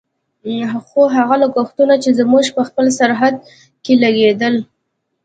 خو هغه لګښتونه چې زموږ په خپل سرحد کې لګېدل.